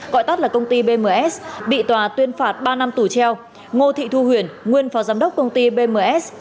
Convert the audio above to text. gọi tắt là công ty bms bị tòa tuyên phạt ba năm tù treo ngô thị thu huyền nguyên phó giám đốc công ty bms